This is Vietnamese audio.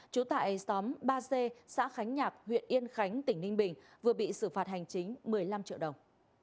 trú tại xóm ba c xã khánh nhạc huyện yên khánh tỉnh ninh bình vừa bị xử phạt hành chính một mươi năm triệu đồng